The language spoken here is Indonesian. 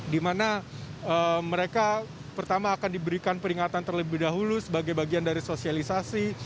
di mana mereka pertama akan diberikan peringatan terlebih dahulu sebagai bagian dari sosialisasi